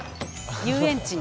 遊園地に。